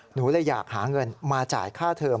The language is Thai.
หนูเลยอยากหาเงินมาจ่ายค่าเทอม